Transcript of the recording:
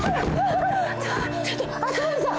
ちょっと熱護さん。